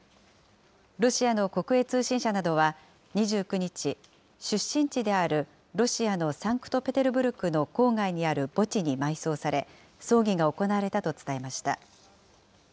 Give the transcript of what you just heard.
ロシアの国営通信社などは２９日、出身地であるロシアのサンクトペテルブルクの郊外にある墓地に埋葬され、葬儀が行われたと伝えました。